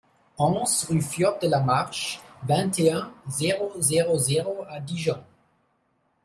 onze rue Fyot de la Marche, vingt et un, zéro zéro zéro à Dijon